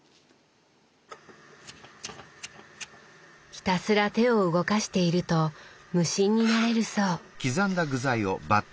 ひたすら手を動かしていると無心になれるそう。